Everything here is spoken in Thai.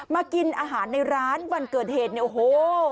กินอาหารในร้านวันเกิดเหตุเนี่ยโอ้โห